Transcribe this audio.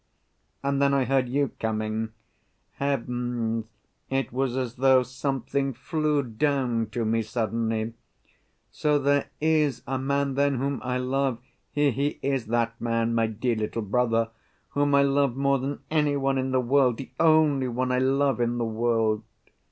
And then I heard you coming—Heavens, it was as though something flew down to me suddenly. So there is a man, then, whom I love. Here he is, that man, my dear little brother, whom I love more than any one in the world, the only one I love in the world.